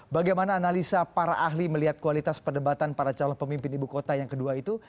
bagaimana analisa para ahli melihat kualitas perdebatan para calon pemimpin ibu kota yang kedua itu